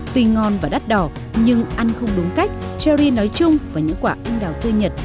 tuy ngon và đắt đỏ nhưng ăn không đúng cách cherry nói chung và những quả anh đào tươi nhật